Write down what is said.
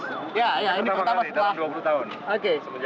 ya ini pertama setelah